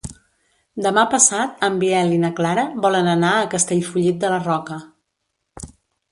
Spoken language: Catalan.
Demà passat en Biel i na Clara volen anar a Castellfollit de la Roca.